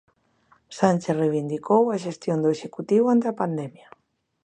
Sánchez reivindicou a xestión do executivo ante a pandemia.